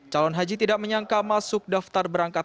calon haji tidak menyangka masuk daftar berangkat